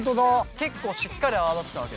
結構しっかり泡立てたわけだ。